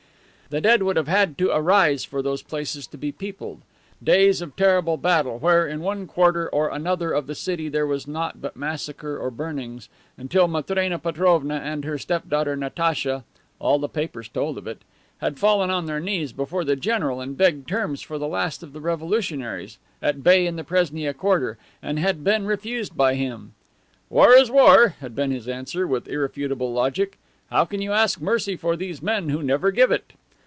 The dead would have had to arise for those places to be peopled! Days of terrible battle where in one quarter or another of the city there was naught but massacre or burnings, until Matrena Petrovna and her step daughter, Natacha (all the papers told of it), had fallen on their knees before the general and begged terms for the last of the revolutionaries, at bay in the Presnia quarter, and had been refused by him. "War is war," had been his answer, with irrefutable logic. "How can you ask mercy for these men who never give it?"